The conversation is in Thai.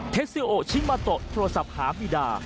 ซิโอชิมาโตะโทรศัพท์หาบีดา